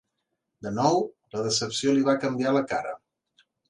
De nou, la decepció li va canviar la cara.